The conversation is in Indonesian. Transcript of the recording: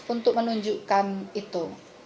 untuk menunjukkan itu